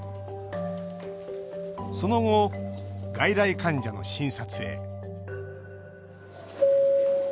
その後、外来患者の診察へ。